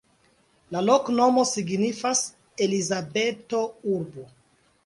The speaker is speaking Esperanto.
La loknomo signifas: Elizabeto-urbo.